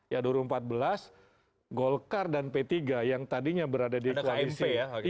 ya dua ribu empat belas golkar dan p tiga yang tadinya berada di koalisi ya